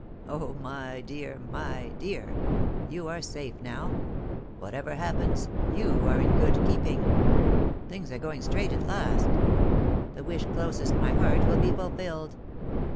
Oh, my dear, my dear ! you are safe now ; whatever happens, you are in good keeping. Things are going straight at last The wish closest my heart will be fulfilled.